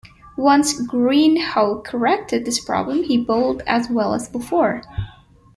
Once Greenhough corrected this problem he bowled as well as before.